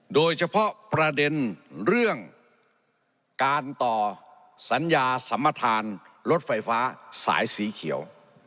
โดยเฉพาะประเด็นเรื่องการต่อสัญญาสัมประธานรถไฟฟ้าสายสีเขียว